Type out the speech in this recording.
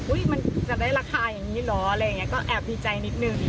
มันจะได้ราคาอย่างนี้เหรออะไรอย่างนี้ก็แอบดีใจนิดนึง